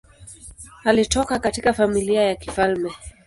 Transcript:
Alitoka katika familia ya kifalme.